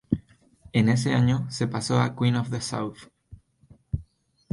En ese año se pasó a Queen of the South.